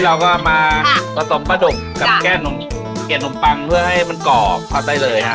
ใช่ครับนี่เราก็มาค่ะประสงค์ปลาดุกกับแก้หนุ่มปังเพื่อให้มันกรอบพอใต้เลยค่ะ